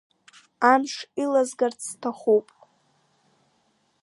Амш илазгарц сҭахуп.